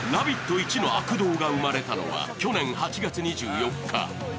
一の悪童が生まれたのは去年８月２４日。